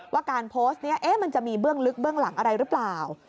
ว่าการโพสต์นี้มันจะมีเบื้องลึกเบื้องหลังอะไรหรือเปล่า